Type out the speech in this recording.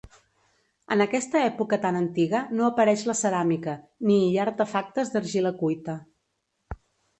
En aquesta època tan antiga no apareix la ceràmica, ni hi ha artefactes d'argila cuita.